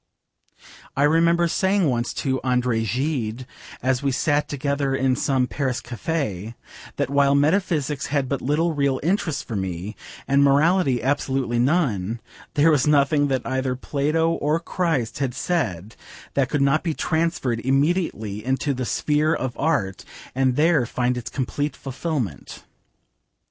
I remember saying once to Andre Gide, as we sat together in some Paris cafe, that while meta physics had but little real interest for me, and morality absolutely none, there was nothing that either Plato or Christ had said that could not be transferred immediately into the sphere of Art and there find its complete fulfilment.